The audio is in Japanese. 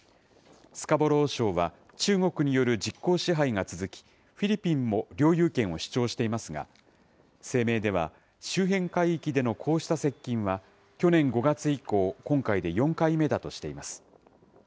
スカボロー礁は中国による実効支配が続き、フィリピンも領有権を主張していますが、声明では、周辺海域でのこうした接近は、去年５月以降、今回で４回目だとしています。